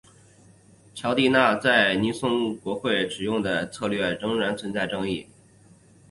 乔蒂纳在尼克松国会竞选中使用的策略仍然存在争议。